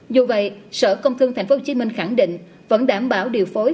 dù vậy sở công thương tp hcm khẳng định vẫn đảm bảo điều phối